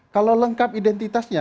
kalau lengkap identitasnya